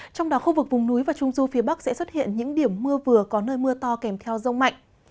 trong đó khu vực vùng núi và trung du phía bắc sẽ xuất hiện những điểm mưa vừa có nơi mưa to kèm theo rông mạnh